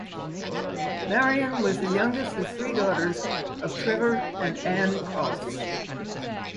Marion was the youngest of three daughters of Trevor and Anne Crofts.